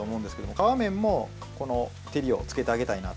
皮面も照りをつけてあげたいなと。